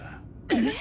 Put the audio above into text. えっ！